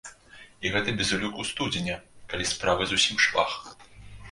І гэта без уліку студзеня, калі справы зусім швах!